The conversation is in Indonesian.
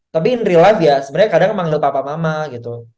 tapi in real life ya sebenernya kadang manggil papa mama gitu